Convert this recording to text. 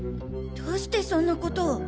どうしてそんなことを？